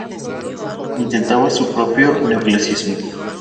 Intentaba su propio neo-clasicismo.